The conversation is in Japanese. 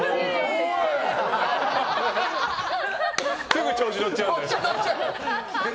すぐ調子乗っちゃうんだよね。